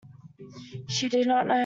She did not know.